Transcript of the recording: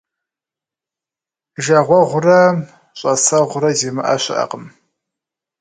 Жагъуэгъурэ щIасэгъурэ зимыIэ щыIэкъым.